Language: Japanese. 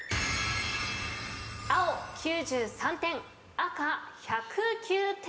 青９３点赤１０９点。